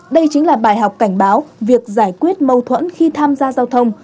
đây chính là bài học cảnh báo việc giải quyết mâu thuẫn khi tham gia giao thông